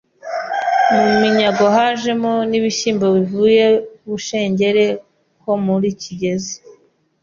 Mu minyago hajemo n’ibishyimbo bivuye i bushengere ho muri Kigezi